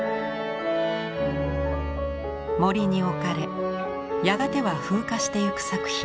森に置かれやがては風化していく作品。